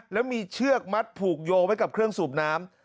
แล้วมีเชือกมัดผูกโยงไว้กับเครื่องสูบน้ำ